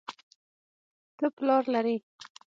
ته پلار لرې